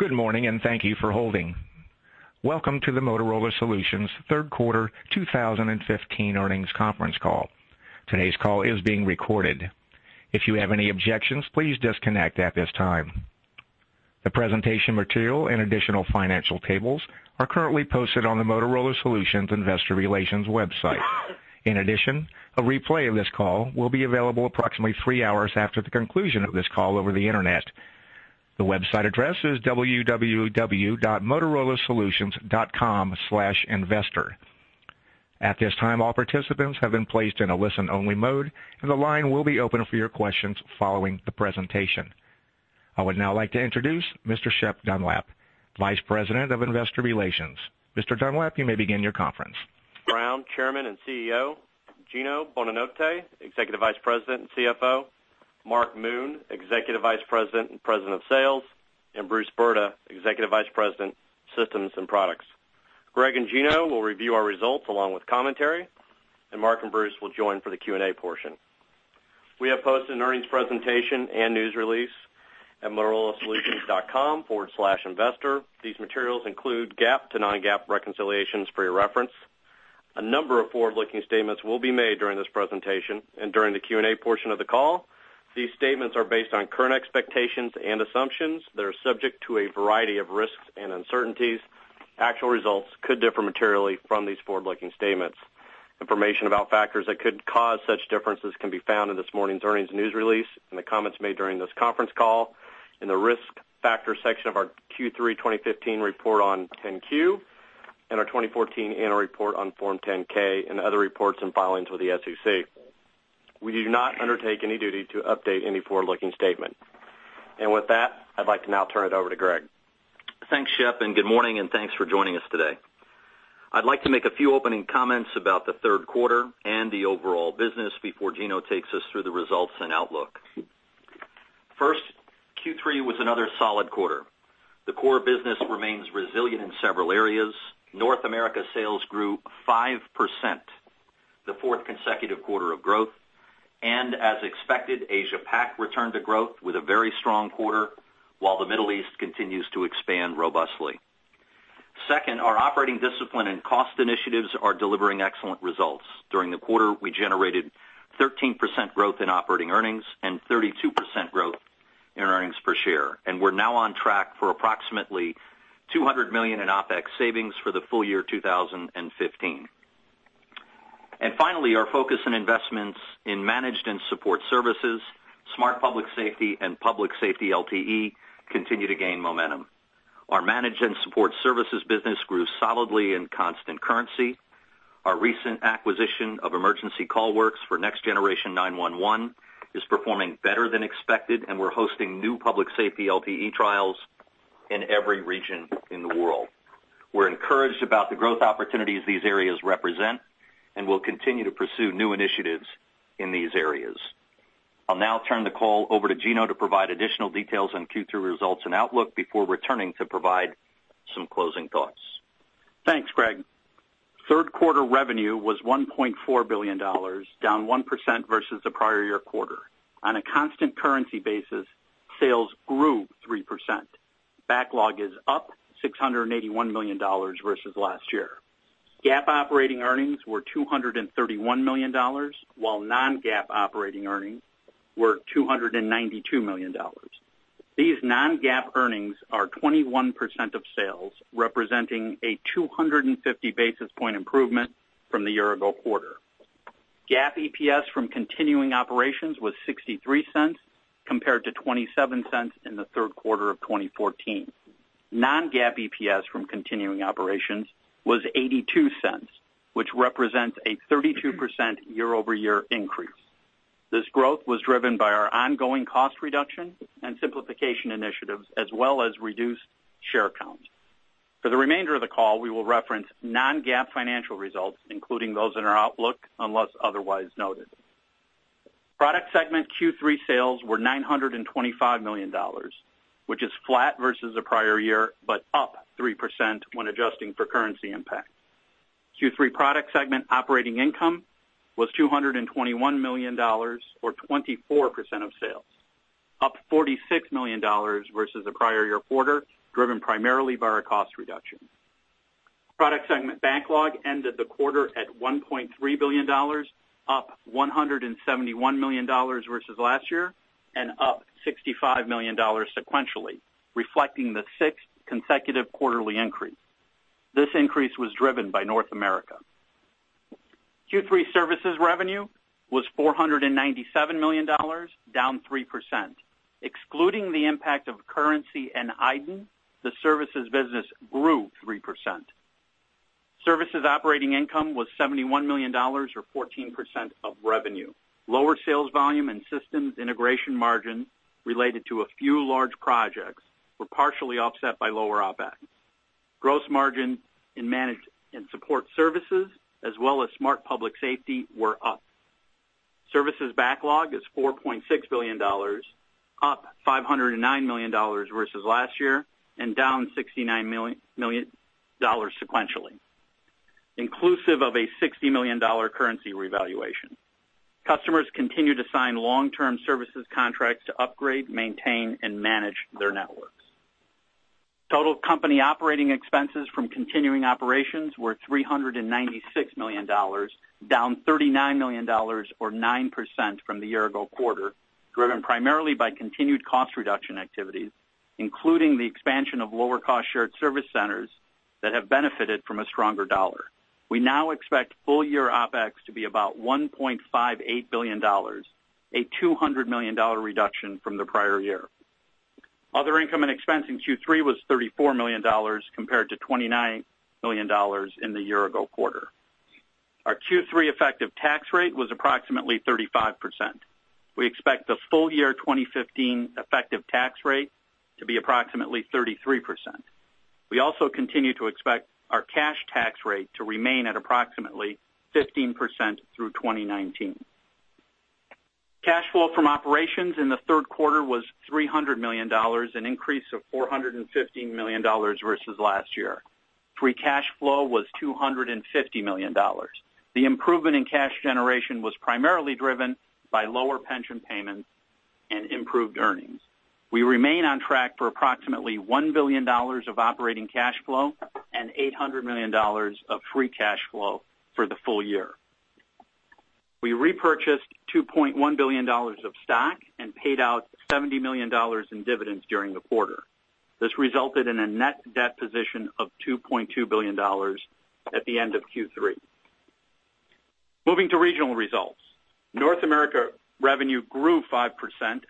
Good morning, and thank you for holding. Welcome to the Motorola Solutions third quarter 2015 Earnings Conference Call. Today's call is being recorded. If you have any objections, please disconnect at this time. The presentation material and additional financial tables are currently posted on the Motorola Solutions investor relations website. In addition, a replay of this call will be available approximately 3 hours after the conclusion of this call over the Internet. The website address is www.motorolasolutions.com/investor. At this time, all participants have been placed in a listen-only mode, and the line will be open for your questions following the presentation. I would now like to introduce Mr. Shep Dunlap, Vice President of Investor Relations. Mr. Dunlap, you may begin your conference. Greg Brown, Chairman and CEO, Gino Bonanotte, Executive Vice President and CFO, Mark Moon, Executive Vice President and President of Sales, and Bruce Brda, Executive Vice President, Systems and Products. Greg and Gino will review our results along with commentary, and Mark and Bruce will join for the Q&A portion. We have posted an earnings presentation and news release at motorolasolutions.com/investor. These materials include GAAP to non-GAAP reconciliations for your reference. A number of forward-looking statements will be made during this presentation and during the Q&A portion of the call. These statements are based on current expectations and assumptions that are subject to a variety of risks and uncertainties. Actual results could differ materially from these forward-looking statements. Information about factors that could cause such differences can be found in this morning's earnings news release, and the comments made during this conference call, in the Risk Factors section of our Q3 2015 report on 10-Q, and our 2014 annual report on Form 10-K, and other reports and filings with the SEC. We do not undertake any duty to update any forward-looking statement. With that, I'd like to now turn it over to Greg. Thanks, Shep, and good morning, and thanks for joining us today. I'd like to make a few opening comments about the third quarter and the overall business before Gino takes us through the results and outlook. First, Q3 was another solid quarter. The core business remains resilient in several areas. North America sales grew 5%, the fourth consecutive quarter of growth, and as expected, Asia Pac returned to growth with a very strong quarter, while the Middle East continues to expand robustly. Second, our operating discipline and cost initiatives are delivering excellent results. During the quarter, we generated 13% growth in operating earnings and 32% growth in earnings per share, and we're now on track for approximately $200 million in OpEx savings for the full year 2015. Finally, our focus and investments in managed and support services, smart public safety, and Public Safety LTE continue to gain momentum. Our managed and support services business grew solidly in constant currency. Our recent acquisition of Emergency Callworks for Next Generation 9-1-1 is performing better than expected, and we're hosting new Public Safety LTE trials in every region in the world. We're encouraged about the growth opportunities these areas represent, and we'll continue to pursue new initiatives in these areas. I'll now turn the call over to Gino to provide additional details on Q3 results and outlook before returning to provide some closing thoughts. Thanks, Greg. Third quarter revenue was $1.4 billion, down 1% versus the prior year quarter. On a constant currency basis, sales grew 3%. Backlog is up $681 million versus last year. GAAP operating earnings were $231 million, while non-GAAP operating earnings were $292 million. These non-GAAP earnings are 21% of sales, representing a 250 basis point improvement from the year-ago quarter. GAAP EPS from continuing operations was $0.63, compared to $0.27 in the third quarter of 2014. Non-GAAP EPS from continuing operations was $0.82, which represents a 32% year-over-year increase. This growth was driven by our ongoing cost reduction and simplification initiatives, as well as reduced share count. For the remainder of the call, we will reference non-GAAP financial results, including those in our outlook, unless otherwise noted. Product segment Q3 sales were $925 million, which is flat versus the prior year, but up 3% when adjusting for currency impact. Q3 product segment operating income was $221 million, or 24% of sales, up $46 million versus the prior year quarter, driven primarily by our cost reduction. Product segment backlog ended the quarter at $1.3 billion, up $171 million versus last year, and up $65 million sequentially, reflecting the 6th consecutive quarterly increase. This increase was driven by North America. Q3 services revenue was $497 million, down 3%. Excluding the impact of currency and iDEN, the services business grew 3%. Services operating income was $71 million, or 14% of revenue. Lower sales volume and systems integration margin related to a few large projects were partially offset by lower OpEx. Gross margin in managed and support services as well as smart public safety were up. Services backlog is $4.6 billion, up $509 million versus last year and down $69 million sequentially, inclusive of a $60 million currency revaluation. Customers continue to sign long-term services contracts to upgrade, maintain, and manage their networks. Total company operating expenses from continuing operations were $396 million, down $39 million or 9% from the year ago quarter, driven primarily by continued cost reduction activities, including the expansion of lower cost shared service centers that have benefited from a stronger dollar. We now expect full year OpEx to be about $1.58 billion, a $200 million reduction from the prior year. Other income and expense in Q3 was $34 million compared to $29 million in the year ago quarter. Our Q3 effective tax rate was approximately 35%. We expect the full year 2015 effective tax rate to be approximately 33%. We also continue to expect our cash tax rate to remain at approximately 15% through 2019. Cash flow from operations in the third quarter was $300 million, an increase of $415 million versus last year. Free cash flow was $250 million. The improvement in cash generation was primarily driven by lower pension payments and improved earnings. We remain on track for approximately $1 billion of operating cash flow and $800 million of free cash flow for the full year. We repurchased $2.1 billion of stock and paid out $70 million in dividends during the quarter. This resulted in a net debt position of $2.2 billion at the end of Q3. Moving to regional results. North America revenue grew 5%,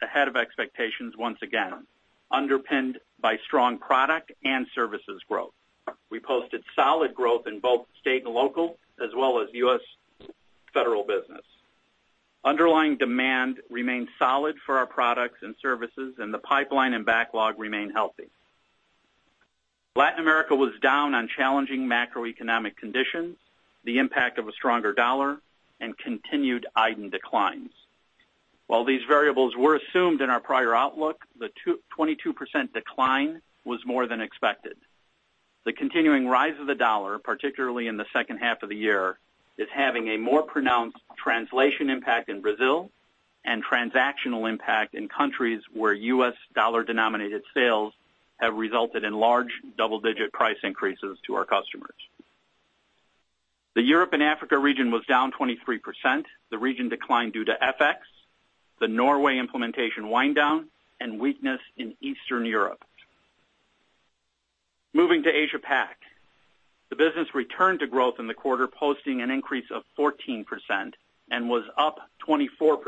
ahead of expectations once again, underpinned by strong product and services growth. We posted solid growth in both state and local, as well as U.S. federal business. Underlying demand remained solid for our products and services, and the pipeline and backlog remain healthy. Latin America was down on challenging macroeconomic conditions, the impact of a stronger dollar and continued iDEN declines. While these variables were assumed in our prior outlook, the 22% decline was more than expected. The continuing rise of the dollar, particularly in the second half of the year, is having a more pronounced translation impact in Brazil and transactional impact in countries where U.S. dollar-denominated sales have resulted in large double-digit price increases to our customers. The Europe and Africa region was down 23%. The region declined due to FX, the Norway implementation wind down and weakness in Eastern Europe. Moving to Asia Pac, the business returned to growth in the quarter, posting an increase of 14% and was up 24%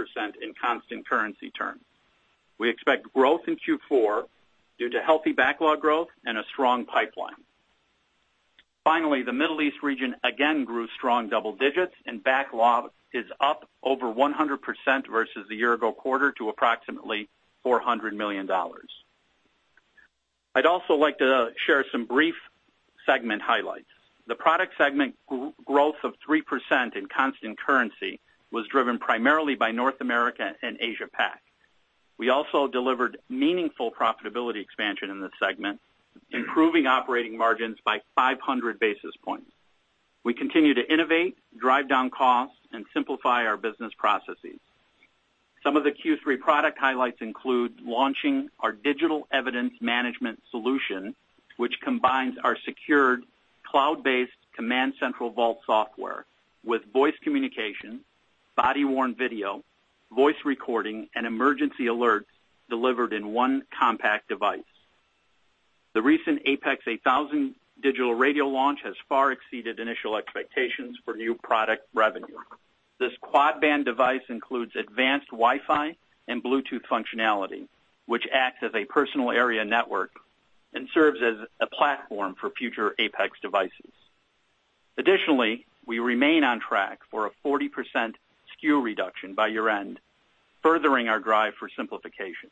in constant currency terms. We expect growth in Q4 due to healthy backlog growth and a strong pipeline. Finally, the Middle East region again grew strong double digits, and backlog is up over 100% versus the year ago quarter to approximately $400 million. I'd also like to share some brief segment highlights. The product segment growth of 3% in constant currency was driven primarily by North America and Asia Pac. We also delivered meaningful profitability expansion in this segment, improving operating margins by 500 basis points. We continue to innovate, drive down costs, and simplify our business processes. Some of the Q3 product highlights include launching our digital evidence management solution, which combines our secured cloud-based CommandCentral Vault software with voice communication, body-worn video, voice recording, and emergency alerts delivered in one compact device. The recent APX 8000 digital radio launch has far exceeded initial expectations for new product revenue. This quad-band device includes advanced Wi-Fi and Bluetooth functionality, which acts as a personal area network and serves as a platform for future APX devices. Additionally, we remain on track for a 40% SKU reduction by year-end, furthering our drive for simplification.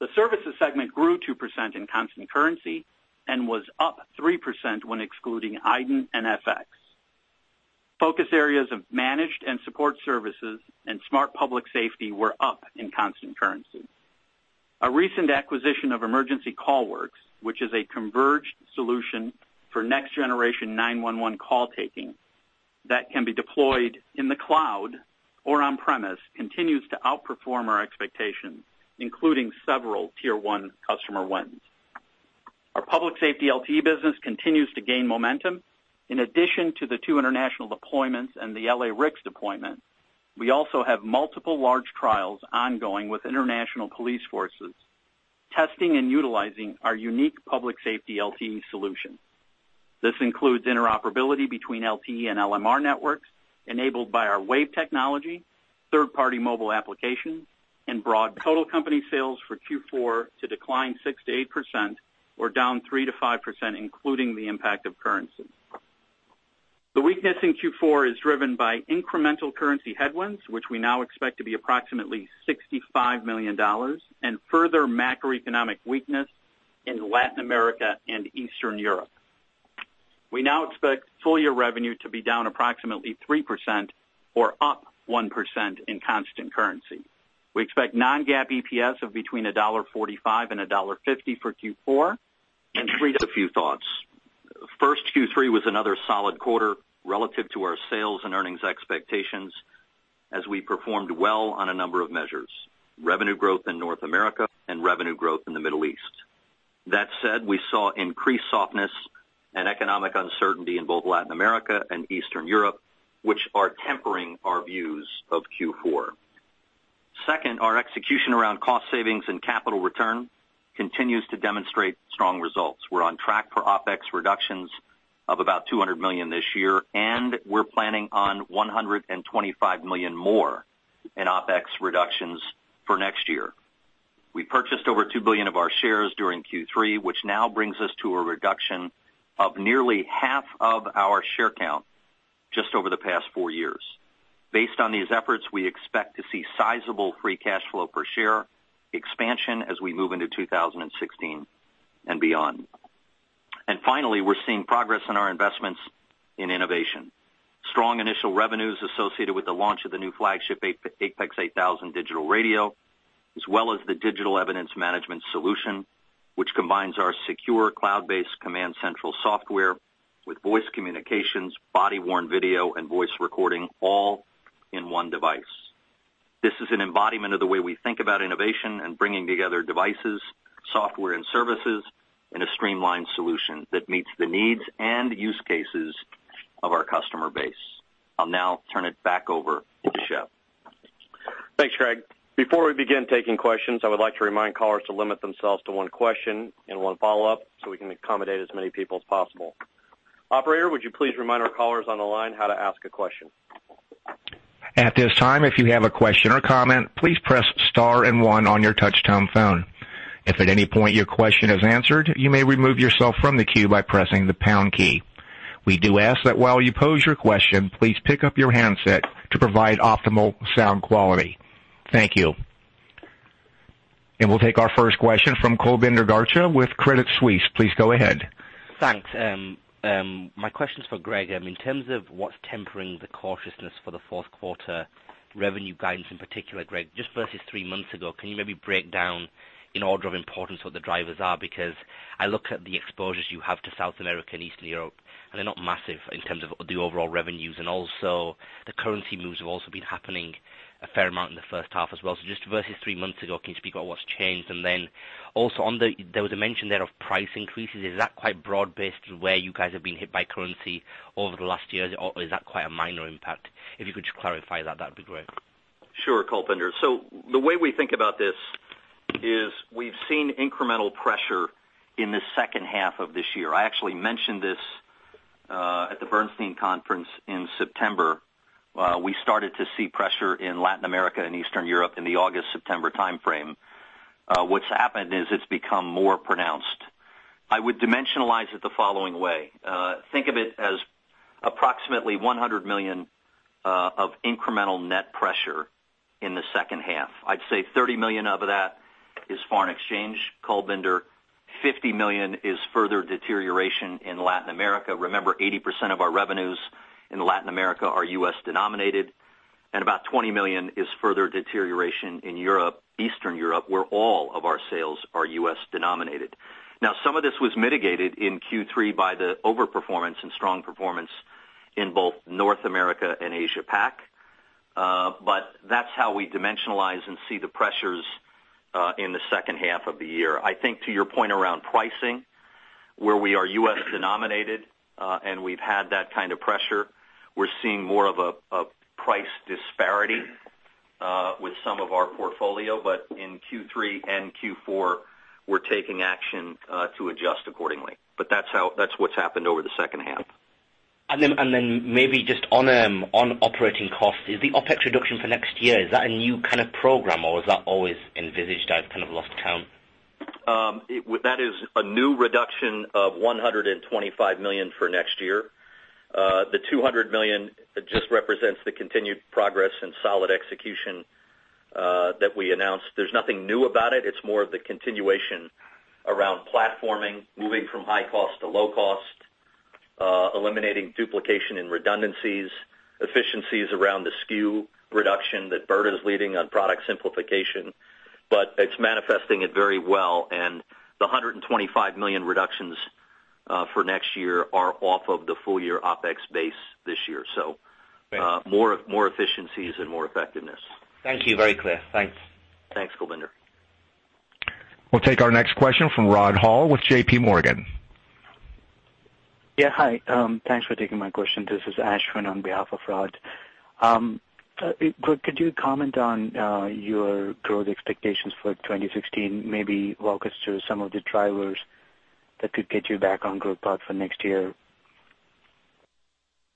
The services segment grew 2% in constant currency and was up 3% when excluding iDEN and FX. Focus areas of managed and support services and smart public safety were up in constant currency. A recent acquisition of Emergency Callworks, which is a converged solution for next generation 9-1-1 call taking, that can be deployed in the cloud or on-premise, continues to outperform our expectations, including several tier one customer wins. Our public safety LTE business continues to gain momentum. In addition to the two international deployments and the LA-RICS deployment, we also have multiple large trials ongoing with international police forces, testing and utilizing our unique public safety LTE solution. This includes interoperability between LTE and LMR networks, enabled by our WAVE technology, third-party mobile applications, and broad- Total company sales for Q4 to decline 6%-8%, or down 3%-5%, including the impact of currency. The weakness in Q4 is driven by incremental currency headwinds, which we now expect to be approximately $65 million, and further macroeconomic weakness in Latin America and Eastern Europe. We now expect full-year revenue to be down approximately 3% or up 1% in constant currency. We expect non-GAAP EPS of between $1.45 and $1.50 for Q4,...... And just a few thoughts. First, Q3 was another solid quarter relative to our sales and earnings expectations as we performed well on a number of measures, revenue growth in North America and revenue growth in the Middle East. That said, we saw increased softness and economic uncertainty in both Latin America and Eastern Europe, which are tempering our views of Q4. Second, our execution around cost savings and capital return continues to demonstrate strong results. We're on track for OpEx reductions of about $200 million this year, and we're planning on $125 million more in OpEx reductions for next year. We purchased over $2 billion of our shares during Q3, which now brings us to a reduction of nearly half of our share count just over the past 4 years. Based on these efforts, we expect to see sizable free cash flow per share expansion as we move into 2016 and beyond. And finally, we're seeing progress in our investments in innovation. Strong initial revenues associated with the launch of the new flagship APX 8000 digital radio, as well as the digital evidence management solution, which combines our secure cloud-based CommandCentral software with voice communications, body-worn video, and voice recording, all in one device. This is an embodiment of the way we think about innovation and bringing together devices, software and services, in a streamlined solution that meets the needs and use cases of our customer base. I'll now turn it ` over to Shep. Thanks, Greg. Before we begin taking questions, I would like to remind callers to limit themselves to one question and one follow-up, so we can accommodate as many people as possible. Operator, would you please remind our callers on the line how to ask a question? At this time, if you have a question or comment, please press star and one on your touchtone phone. If at any point your question is answered, you may remove yourself from the queue by pressing the pound key. We do ask that while you pose your question, please pick up your handset to provide optimal sound quality. Thank you. We'll take our first question from Kulbinder Garcha with Credit Suisse. Please go ahead. Thanks. My question is for Greg. In terms of what's tempering the cautiousness for the fourth quarter revenue guidance, in particular, Greg, just versus three months ago, can you maybe break down in order of importance, what the drivers are? Because I look at the exposures you have to South America and Eastern Europe, and they're not massive in terms of the overall revenues. Also, the currency moves have also been happening a fair amount in the first half as well. So just versus three months ago, can you speak about what's changed? And then also there was a mention there of price increases. Is that quite broad-based in where you guys have been hit by currency over the last year? Or is that quite a minor impact? If you could just clarify that, that'd be great. Sure, Kulbinder. So the way we think about this is we've seen incremental pressure in the second half of this year. I actually mentioned this at the Bernstein conference in September. We started to see pressure in Latin America and Eastern Europe in the August, September time frame. What's happened is it's become more pronounced. I would dimensionalize it the following way: think of it as approximately $100 million of incremental net pressure in the second half. I'd say $30 million of that is foreign exchange, Kulbinder. $50 million is further deterioration in Latin America. Remember, 80% of our revenues in Latin America are U.S. denominated, and about $20 million is further deterioration in Europe, Eastern Europe, where all of our sales are U.S. denominated. Now, some of this was mitigated in Q3 by the overperformance and strong performance in both North America and Asia Pac, but that's how we dimensionalize and see the pressures in the second half of the year. I think to your point around pricing, where we are U.S. denominated, and we've had that kind of pressure, we're seeing more of a price disparity with some of our portfolio. But in Q3 and Q4, we're taking action to adjust accordingly. But that's how, that's what's happened over the second half. And then maybe just on operating costs, is the OpEx reduction for next year, is that a new kind of program, or was that always envisaged? I've kind of lost count. With that is a new reduction of $125 million for next year. The $200 million just represents the continued progress and solid execution that we announced. There's nothing new about it. It's more of the continuation around platforming, moving from high cost to low cost, eliminating duplication and redundancies, efficiencies around the SKU reduction that Brda is leading on product simplification, but it's manifesting it very well. And the $125 million reductions for next year are off of the full year OpEx base this year. So, more, more efficiencies and more effectiveness. Thank you. Very clear. Thanks. Thanks, Kulbinder. We'll take our next question from Rod Hall with J.P. Morgan. Yeah, hi. Thanks for taking my question. This is Ashwin on behalf of Rod. Greg, could you comment on your growth expectations for 2016? Maybe walk us through some of the drivers that could get you back on growth path for next year.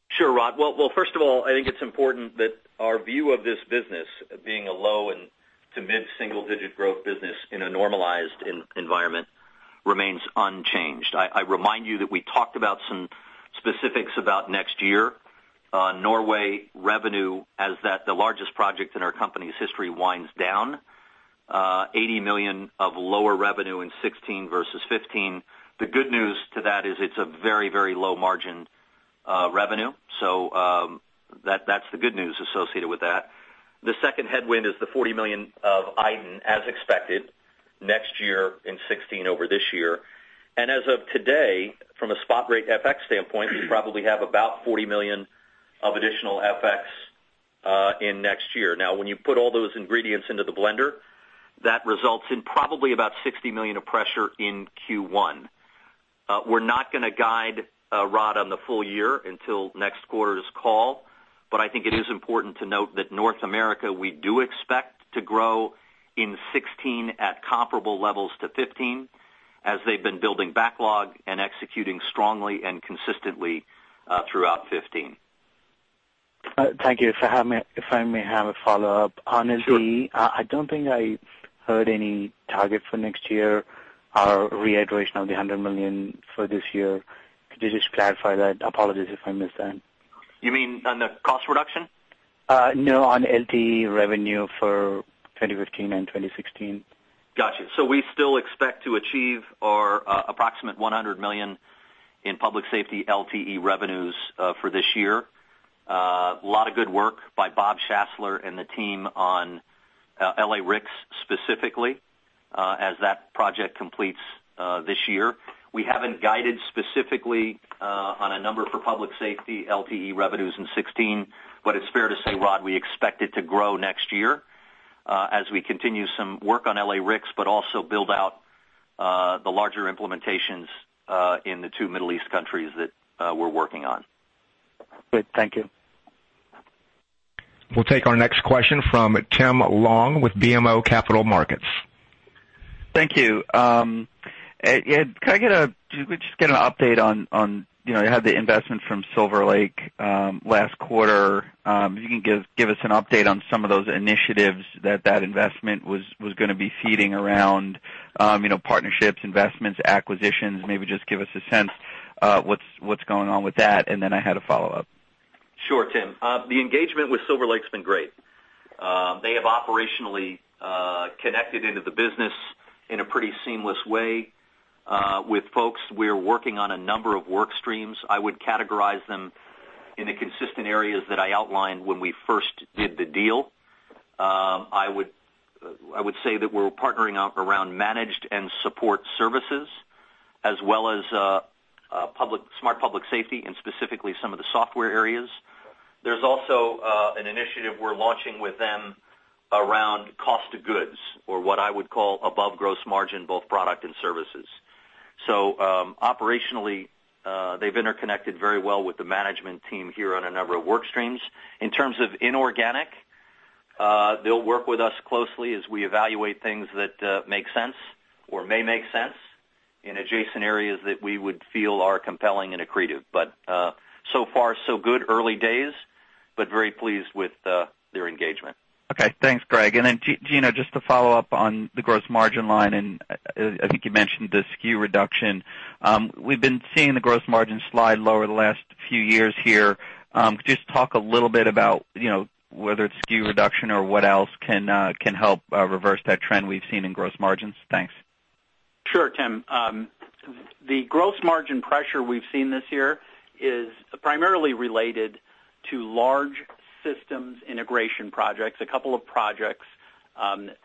Sure, Rod. Well, first of all, I think it's important that our view of this business, being a low- to mid-single-digit growth business in a normalized environment, remains unchanged. I remind you that we talked about some specifics about next year. Norway revenue, as that's the largest project in our company's history, winds down. $80 million of lower revenue in 2016 versus 2015. The good news to that is it's a very, very low margin revenue. So, that, that's the good news associated with that. The second headwind is the $40 million of iDEN, as expected, next year in 2016 over this year. And as of today, from a spot rate FX standpoint, we probably have about $40 million of additional FX in next year. Now, when you put all those ingredients into the blender, that results in probably about $60 million of pressure in Q1. We're not going to guide, Rod, on the full year until next quarter's call, but I think it is important to note that North America, we do expect to grow in 2016 at comparable levels to 2015, as they've been building backlog and executing strongly and consistently throughout 2015. Thank you. If I may, if I may have a follow-up. Sure. On LTE, I don't think I heard any target for next year or reiteration of the 100 million for this year. Could you just clarify that? Apologies if I missed that. You mean on the cost reduction? No, on LTE revenue for 2015 and 2016. Gotcha. So we still expect to achieve our approximate $100 million in Public Safety LTE revenues for this year. A lot of good work by Bob Schassler and the team on LA-RICS specifically, as that project completes this year. We haven't guided specifically on a number for Public Safety LTE revenues in 2016, but it's fair to say, Rod, we expect it to grow next year as we continue some work on LA-RICS, but also build out the larger implementations in the two Middle East countries that we're working on. Great. Thank you. We'll take our next question from Tim Long with BMO Capital Markets. Thank you. Ed, could we just get an update on, you know, you had the investment from Silver Lake last quarter. If you can give us an update on some of those initiatives that that investment was gonna be seeding around, you know, partnerships, investments, acquisitions, maybe just give us a sense what's going on with that, and then I had a follow-up. Sure, Tim. The engagement with Silver Lake's been great. They have operationally connected into the business in a pretty seamless way. With folks, we're working on a number of work streams. I would categorize them in the consistent areas that I outlined when we first did the deal. I would say that we're partnering up around managed and support services, as well as smart public safety, and specifically some of the software areas. There's also an initiative we're launching with them around cost of goods, or what I would call above gross margin, both product and services. So, operationally, they've interconnected very well with the management team here on a number of work streams. In terms of inorganic, they'll work with us closely as we evaluate things that make sense or may make sense in adjacent areas that we would feel are compelling and accretive. But so far, so good, early days, but very pleased with their engagement. Okay. Thanks, Greg. And then Gino, just to follow up on the gross margin line, and I think you mentioned the SKU reduction. We've been seeing the gross margin slide lower the last few years here. Just talk a little bit about, you know, whether it's SKU reduction or what else can help reverse that trend we've seen in gross margins. Thanks. Sure, Tim. The gross margin pressure we've seen this year is primarily related to large systems integration projects, a couple of projects,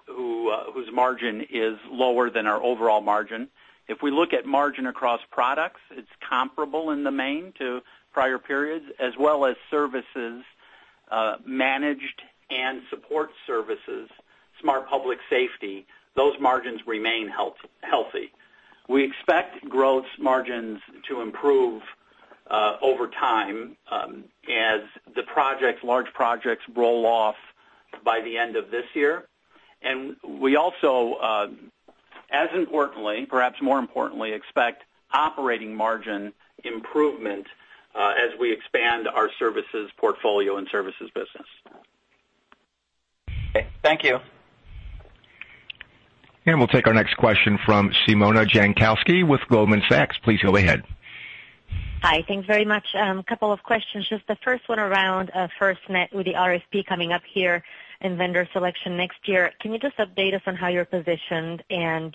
whose margin is lower than our overall margin. If we look at margin across products, it's comparable in the main to prior periods, as well as services, managed and support services, smart public safety, those margins remain healthy. We expect gross margins to improve over time, as the projects, large projects roll off by the end of this year. And we also, as importantly, perhaps more importantly, expect operating margin improvement, as we expand our services portfolio and services business. Okay. Thank you. We'll take our next question from Simona Jankowski with Goldman Sachs. Please go ahead. Hi, thanks very much. A couple of questions. Just the first one around FirstNet with the RFP coming up here and vendor selection next year. Can you just update us on how you're positioned and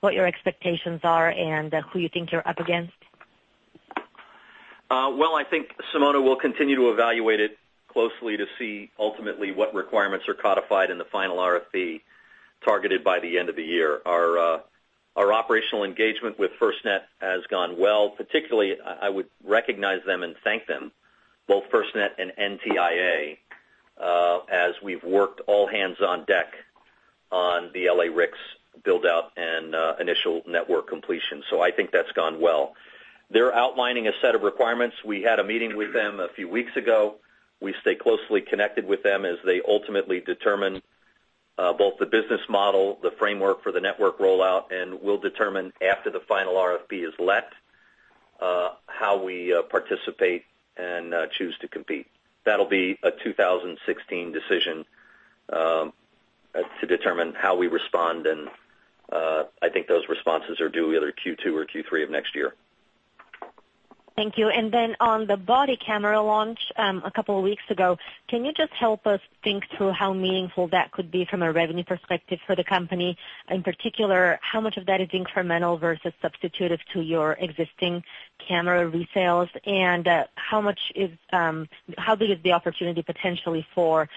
what your expectations are and who you think you're up against? Well, I think, Simona, we'll continue to evaluate it closely to see ultimately what requirements are codified in the final RFP, targeted by the end of the year. Our operational engagement with FirstNet has gone well. Particularly, I would recognize them and thank them, both FirstNet and NTIA, as we've worked all hands on deck on the LA-RICS build-out and initial network completion. So I think that's gone well. They're outlining a set of requirements. We had a meeting with them a few weeks ago. We stay closely connected with them as they ultimately determine both the business model, the framework for the network rollout, and we'll determine after the final RFP is let how we participate and choose to compete. That'll be a 2016 decision to determine how we respond, and I think those responses are due either Q2 or Q3 of next year. Thank you. Then on the body camera launch, a couple of weeks ago, can you just help us think through how meaningful that could be from a revenue perspective for the company? In particular, how much of that is incremental versus substitutive to your existing camera resales? And how big is the opportunity potentially for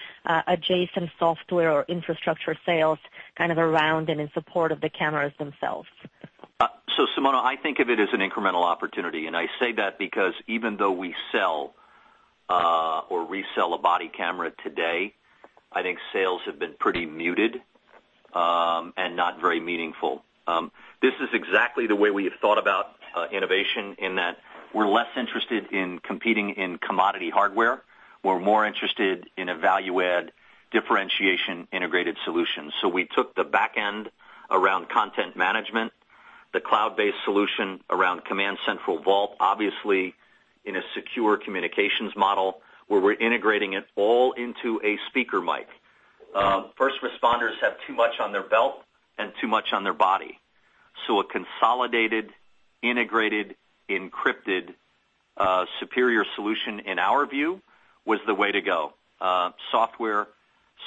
adjacent software or infrastructure sales kind of around and in support of the cameras themselves? So Simona, I think of it as an incremental opportunity, and I say that because even though we sell, or resell a body camera today, I think sales have been pretty muted, and not very meaningful. This is exactly the way we have thought about innovation, in that we're less interested in competing in commodity hardware. We're more interested in a value-add differentiation, integrated solution. So we took the back end around content management, the cloud-based solution around CommandCentral Vault, obviously, in a secure communications model, where we're integrating it all into a speaker mic. First responders have too much on their belt and too much on their body, so a consolidated, integrated, encrypted, superior solution, in our view, was the way to go. Software,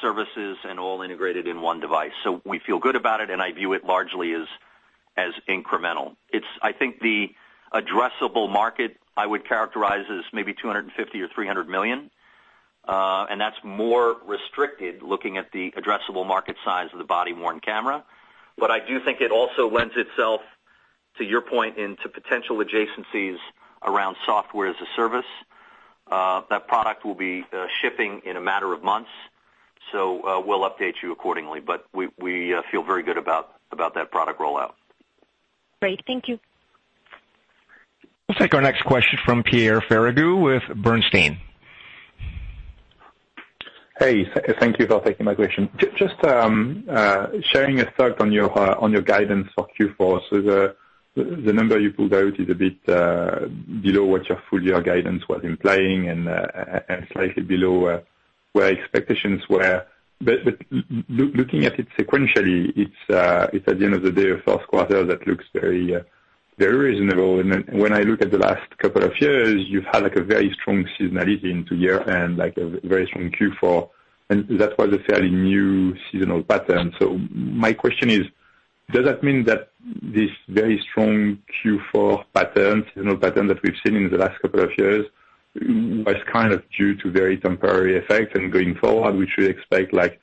services and all integrated in one device. So we feel good about it, and I view it largely as incremental. It's I think the addressable market, I would characterize as maybe $250 million or $300 million, and that's more restricted, looking at the addressable market size of the body-worn camera. But I do think it also lends itself, to your point, into potential adjacencies around software as a service. That product will be shipping in a matter of months, so we'll update you accordingly. But we feel very good about that product rollout. Great, thank you. We'll take our next question from Pierre Ferragu with Bernstein. Hey, thank you for taking my question. Just sharing a thought on your guidance for Q4. So the number you pulled out is a bit below what your full year guidance was implying and slightly below where expectations were. But looking at it sequentially, it's, at the end of the day, a first quarter that looks very reasonable. And then when I look at the last couple of years, you've had, like, a very strong seasonality into year-end, like a very strong Q4, and that was a fairly new seasonal pattern. So my question is: Does that mean that this very strong Q4 pattern, seasonal pattern that we've seen in the last couple of years, was kind of due to very temporary effect, and going forward, we should expect like,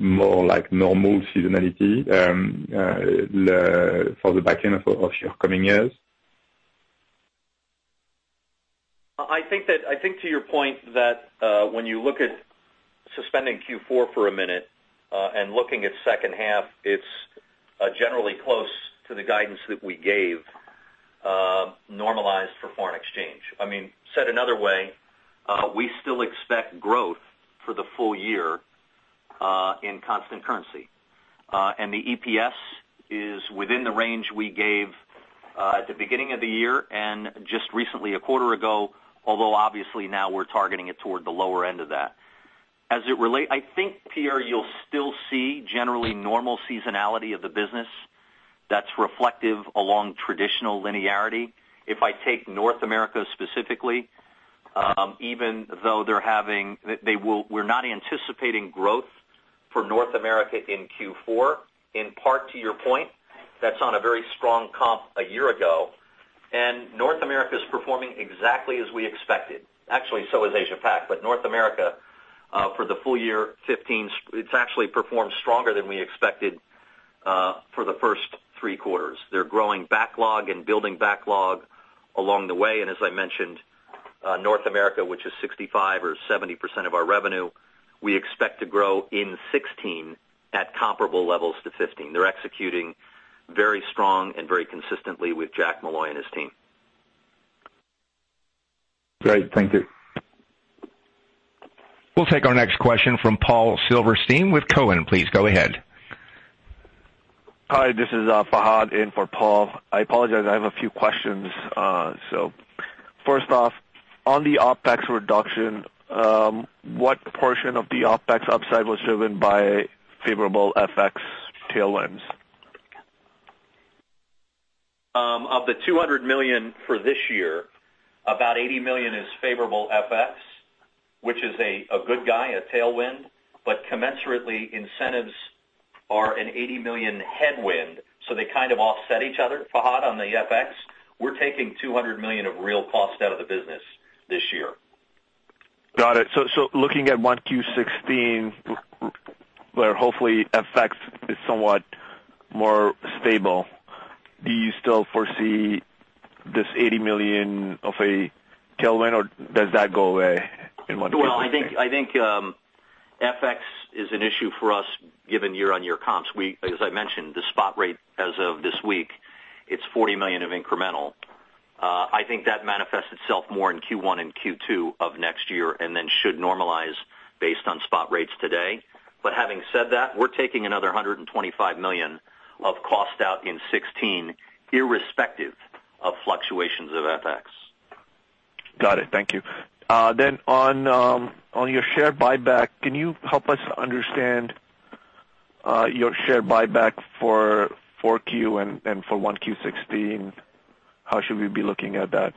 more like normal seasonality, for the back end of your coming years? I think to your point, that, when you look at suspending Q4 for a minute, and looking at second half, it's generally close to the guidance that we gave, normalized for foreign exchange. I mean, said another way, we still expect growth for the full year, in constant currency. And the EPS is within the range we gave, at the beginning of the year and just recently, a quarter ago, although obviously now we're targeting it toward the lower end of that. I think, Pierre, you'll still see generally normal seasonality of the business that's reflective along traditional linearity. If I take North America specifically, even though they're having... We're not anticipating growth for North America in Q4, in part to your point, that's on a very strong comp a year ago, and North America is performing exactly as we expected. Actually, so is Asia Pac, but North America, for the full year 2015, it's actually performed stronger than we expected, for the first three quarters. They're growing backlog and building backlog along the way, and as I mentioned, North America, which is 65% or 70% of our revenue, we expect to grow in 2016 at comparable levels to 2015. They're executing very strong and very consistently with Jack Molloy and his team. Great, thank you. We'll take our next question from Paul Silverstein with Cowen. Please go ahead. Hi, this is Fahad in for Paul. I apologize, I have a few questions. So first off, on the OpEx reduction, what portion of the OpEx upside was driven by favorable FX tailwinds? Of the $200 million for this year, about $80 million is favorable FX, which is a good guy, a tailwind, but commensurately, incentives are an $80 million headwind, so they kind of offset each other, Fahad, on the FX. We're taking $200 million of real cost out of the business this year. Got it. So looking at Q16, where hopefully FX is somewhat more stable, do you still foresee this $80 million of a tailwind, or does that go away in one case? Well, I think, I think, FX is an issue for us, given year-on-year comps. We, as I mentioned, the spot rate as of this week, it's $40 million of incremental. I think that manifests itself more in Q1 and Q2 of next year, and then should normalize based on spot rates today. But having said that, we're taking another $125 million of cost out in 2016, irrespective of fluctuations of FX. Got it. Thank you. Then on your share buyback, can you help us understand your share buyback for 4Q and for 1Q 2016? How should we be looking at that?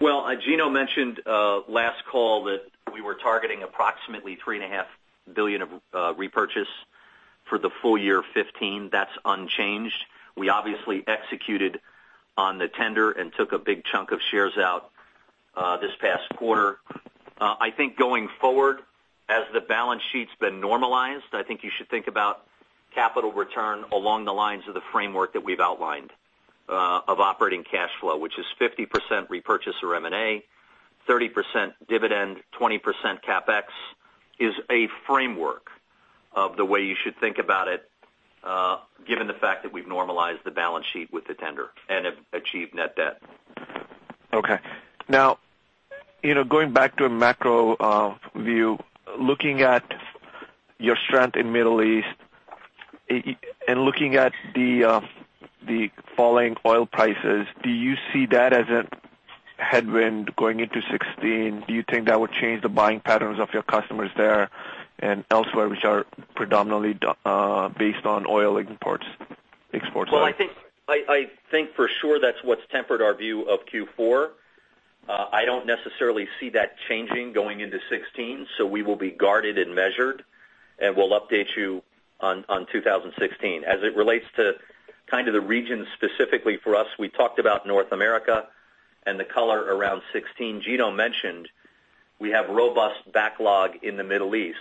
Well, Gino mentioned last call that we were targeting approximately $3.5 billion of repurchase for the full year 2015. That's unchanged. We obviously executed on the tender and took a big chunk of shares out this past quarter. I think going forward, as the balance sheet's been normalized, I think you should think about capital return along the lines of the framework that we've outlined of operating cash flow, which is 50% repurchase or M&A, 30% dividend, 20% CapEx, is a framework of the way you should think about it, given the fact that we've normalized the balance sheet with the tender and have achieved net debt. Okay. Now, you know, going back to a macro view, looking at your strength in Middle East, and looking at the falling oil prices, do you see that as a headwind going into 2016? Do you think that would change the buying patterns of your customers there and elsewhere, which are predominantly based on oil imports, exports? Well, I think for sure that's what's tempered our view of Q4. I don't necessarily see that changing going into 2016, so we will be guarded and measured, and we'll update you on 2016. As it relates to kind of the region, specifically for us, we talked about North America and the color around 2016. Gino mentioned we have robust backlog in the Middle East.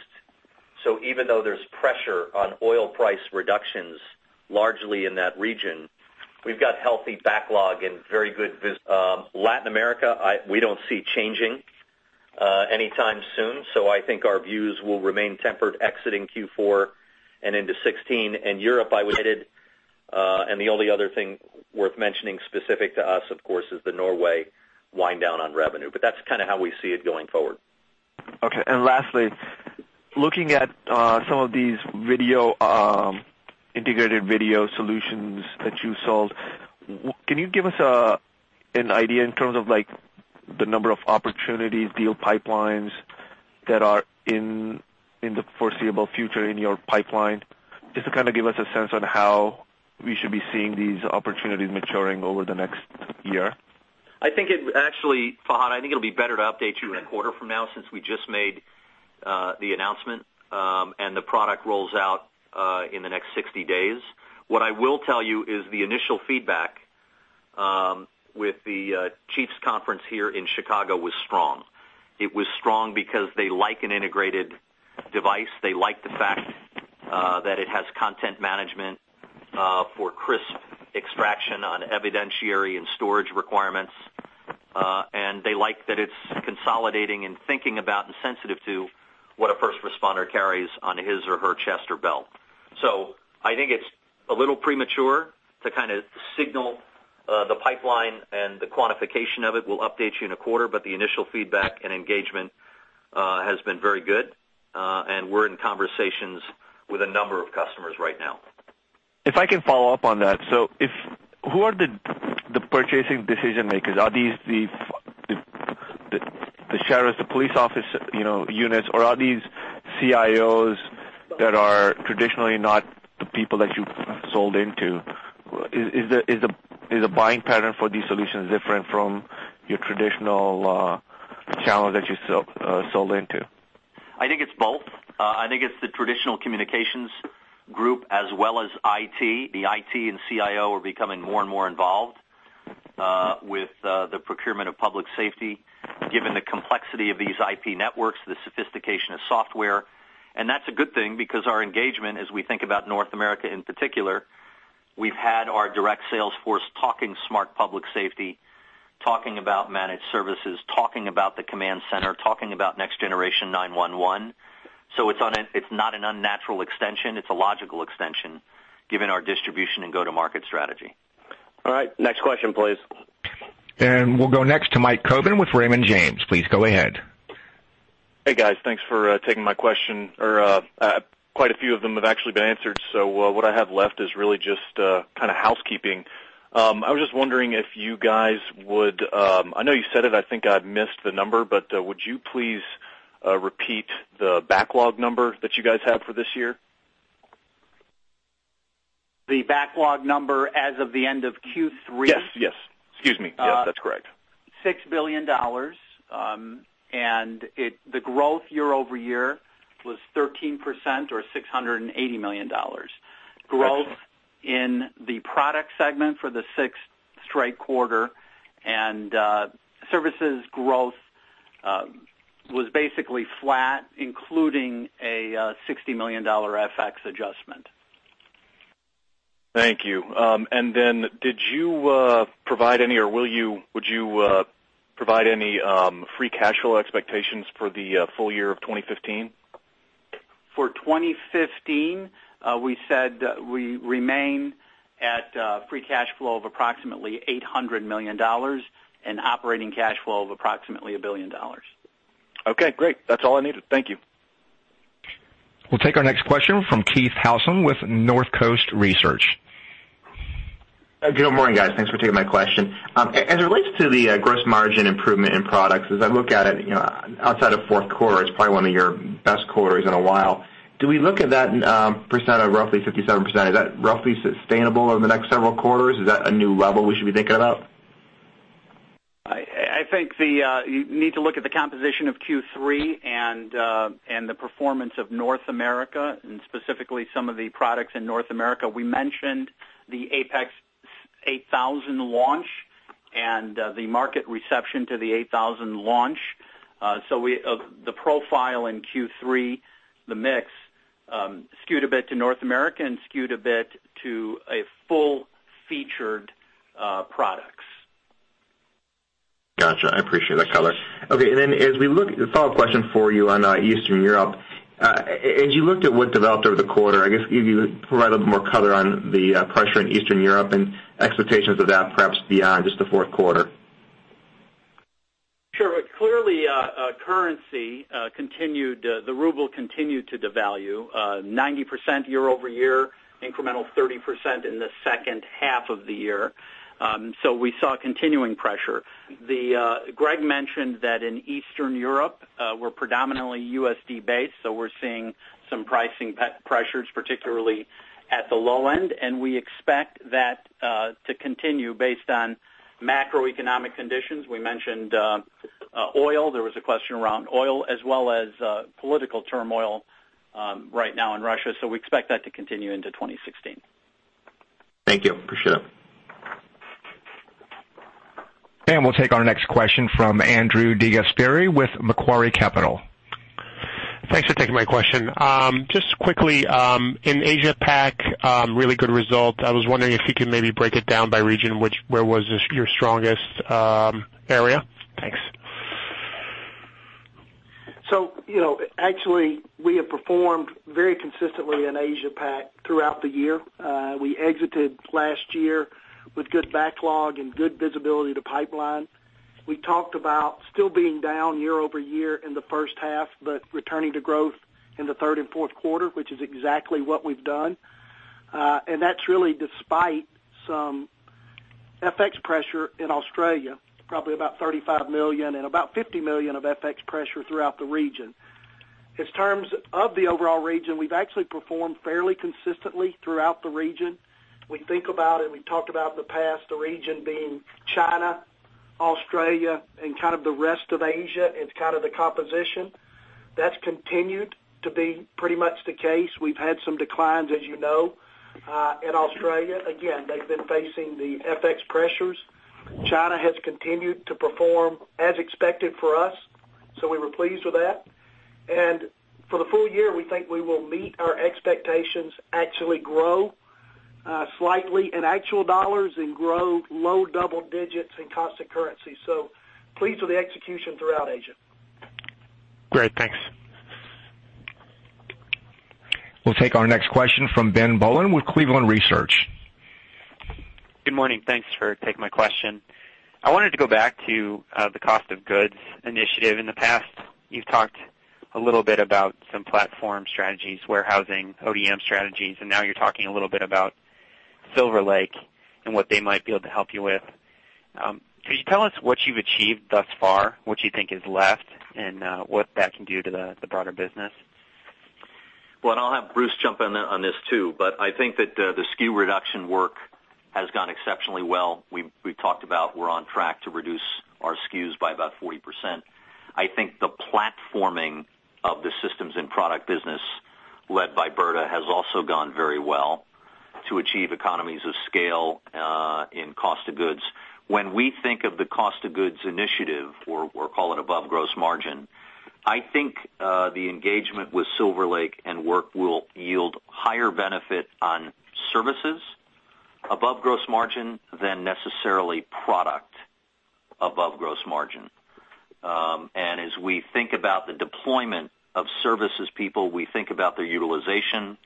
So even though there's pressure on oil price reductions, largely in that region, we've got healthy backlog and very good visibility. Latin America, we don't see changing anytime soon, so I think our views will remain tempered exiting Q4 and into 2016. And Europe, and the only other thing worth mentioning, specific to us, of course, is the Norway wind down on revenue, but that's kind of how we see it going forward. Okay. Lastly, looking at some of these video integrated video solutions that you sold, can you give us an idea in terms of, like, the number of opportunities, deal pipelines that are in the foreseeable future in your pipeline, just to kind of give us a sense on how we should be seeing these opportunities maturing over the next year? I think it actually, Fahad, I think it'll be better to update you in a quarter from now, since we just made the announcement, and the product rolls out in the next 60 days. What I will tell you is the initial feedback with the Chiefs Conference here in Chicago was strong. It was strong because they like an integrated device. They like the fact that it has content management for crisp extraction on evidentiary and storage requirements. And they like that it's consolidating and thinking about and sensitive to what a first responder carries on his or her chest or belt. So I think it's a little premature to kind of signal the pipeline and the quantification of it. We'll update you in a quarter, but the initial feedback and engagement has been very good, and we're in conversations with a number of customers right now. If I can follow up on that. Who are the purchasing decision makers? Are these the sheriffs, the police office, you know, units, or are these CIOs that are traditionally not the people that you've sold into? Is the buying pattern for these solutions different from your traditional channels that you sold into? I think it's both. I think it's the traditional communications group as well as IT. The IT and CIO are becoming more and more involved with the procurement of public safety, given the complexity of these IP networks, the sophistication of software. And that's a good thing, because our engagement, as we think about North America in particular, we've had our direct sales force talking smart public safety, talking about managed services, talking about the command center, talking about next generation 9-1-1. So it's not an unnatural extension, it's a logical extension, given our distribution and go-to-market strategy. All right, next question, please. We'll go next to Mike Koban with Raymond James. Please go ahead. Hey, guys. Thanks for taking my question, or quite a few of them have actually been answered, so what I have left is really just kind of housekeeping. I was just wondering if you guys would... I know you said it, I think I missed the number, but would you please repeat the backlog number that you guys have for this year? The backlog number as of the end of Q3? Yes, yes. Excuse me. Yes, that's correct. $6 billion, and the growth year-over-year was 13% or $680 million. Growth in the product segment for the sixth straight quarter, and services growth was basically flat, including a $60 million FX adjustment. Thank you. And then did you provide any, or would you provide any free cash flow expectations for the full year of 2015? For 2015, we said we remain at free cash flow of approximately $800 million, and operating cash flow of approximately $1 billion. Okay, great. That's all I needed. Thank you. We'll take our next question from Keith Housum with North Coast Research. Good morning, guys. Thanks for taking my question. As it relates to the gross margin improvement in products, as I look at it, you know, outside of fourth quarter, it's probably one of your best quarters in a while. Do we look at that percent of roughly 57%, is that roughly sustainable over the next several quarters? Is that a new level we should be thinking about? I think you need to look at the composition of Q3 and the performance of North America, and specifically some of the products in North America. We mentioned the APX 8000 launch and the market reception to the 8000 launch. So, the profile in Q3, the mix skewed a bit to North America and skewed a bit to a full-featured products. Gotcha. I appreciate that color. Okay, and then as we look... A follow-up question for you on Eastern Europe. As you looked at what developed over the quarter, I guess, can you provide a little more color on the pressure in Eastern Europe and expectations of that, perhaps beyond just the fourth quarter? Sure. Clearly, currency continued, the ruble continued to devalue 90% year-over-year, incremental 30% in the second half of the year. So we saw continuing pressure. Greg mentioned that in Eastern Europe, we're predominantly USD based, so we're seeing some pricing pressures, particularly at the low end, and we expect that to continue based on macroeconomic conditions. We mentioned oil. There was a question around oil as well as political turmoil right now in Russia, so we expect that to continue into 2016. Thank you. Appreciate it. We'll take our next question from Andrew DeGasperi with Macquarie Capital. Thanks for taking my question. Just quickly, in Asia Pac, really good result. I was wondering if you could maybe break it down by region, which, where was this, your strongest, area? Thanks. You know, actually, we have performed very consistently in Asia Pac throughout the year. We exited last year with good backlog and good visibility to pipeline. We talked about still being down year-over-year in the first half, but returning to growth in the third and fourth quarter, which is exactly what we've done. And that's really despite some FX pressure in Australia, probably about $35 million and about $50 million of FX pressure throughout the region. In terms of the overall region, we've actually performed fairly consistently throughout the region. We think about it, we've talked about in the past, the region being China, Australia, and kind of the rest of Asia, and kind of the composition. That's continued to be pretty much the case. We've had some declines, as you know, in Australia. Again, they've been facing the FX pressures. China has continued to perform as expected for us, so we were pleased with that. For the full year, we think we will meet our expectations, actually grow slightly in actual dollars and grow low double digits in constant currency. Pleased with the execution throughout Asia. Great. Thanks. We'll take our next question from Ben Bollin with Cleveland Research. Good morning. Thanks for taking my question. I wanted to go back to the cost of goods initiative. In the past, you've talked a little bit about some platform strategies, warehousing, ODM strategies, and now you're talking a little bit about Silver Lake and what they might be able to help you with. Could you tell us what you've achieved thus far, what you think is left, and what that can do to the broader business? Well, and I'll have Brda jump in on this, too, but I think that the SKU reduction work has gone exceptionally well. We've talked about we're on track to reduce our SKUs by about 40%. I think the platforming of the systems and product business led by Brda has also gone very well to achieve economies of scale in cost of goods. When we think of the cost of goods initiative, or call it above gross margin, I think the engagement with Silver Lake and work will yield higher benefit on services above gross margin than necessarily product above gross margin. And as we think about the deployment of services people, we think about their utilization,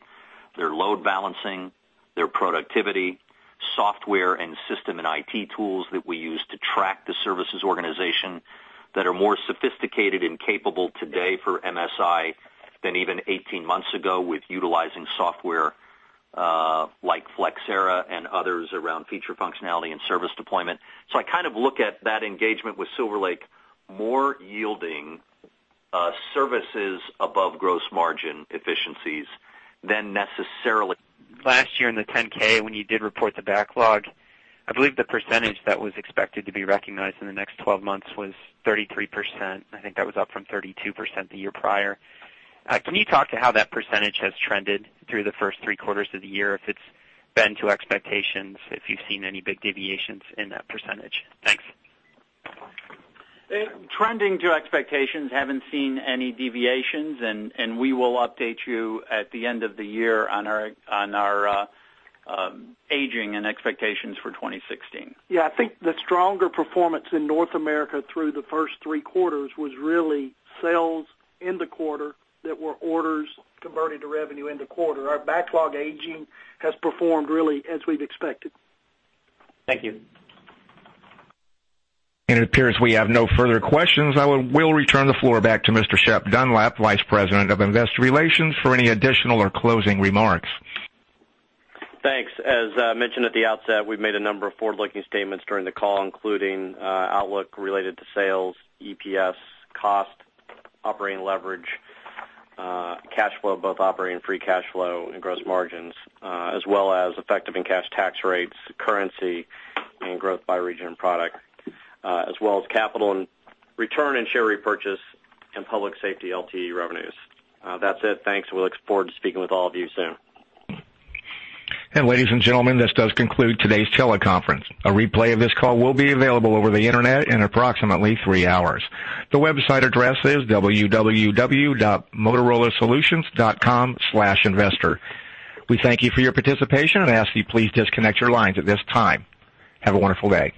their load balancing, their productivity, software and system and IT tools that we use to track the services organization that are more sophisticated and capable today for MSI than even 18 months ago with utilizing software, like Flexera and others around feature functionality and service deployment. So I kind of look at that engagement with Silver Lake, more yielding, services above gross margin efficiencies than necessarily- Last year in the 10-K, when you did report the backlog, I believe the percentage that was expected to be recognized in the next twelve months was 33%. I think that was up from 32% the year prior. Can you talk to how that percentage has trended through the first three quarters of the year, if it's been to expectations, if you've seen any big deviations in that percentage? Thanks. Trending to expectations, haven't seen any deviations, and we will update you at the end of the year on our aging and expectations for 2016. Yeah, I think the stronger performance in North America through the first three quarters was really sales in the quarter that were orders converted to revenue in the quarter. Our backlog aging has performed really as we've expected. Thank you. It appears we have no further questions. I will return the floor back to Mr. Shep Dunlap, Vice President of Investor Relations, for any additional or closing remarks. Thanks. As mentioned at the outset, we've made a number of forward-looking statements during the call, including outlook related to sales, EPS, cost, operating leverage, cash flow, both operating free cash flow and gross margins, as well as effective and cash tax rates, currency and growth by region and product, as well as capital and return and share repurchase and public safety LTE revenues. That's it. Thanks, and we look forward to speaking with all of you soon. Ladies and gentlemen, this does conclude today's teleconference. A replay of this call will be available over the Internet in approximately 3 hours. The website address is www.motorolasolutions.com/investor. We thank you for your participation and ask you to please disconnect your lines at this time. Have a wonderful day.